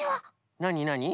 なになに？